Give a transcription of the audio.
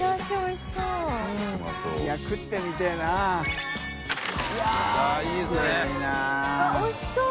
うわおいしそう！